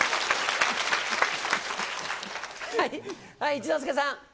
一之輔さん。